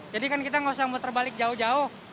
jadi kan kita nggak usah muter balik jauh jauh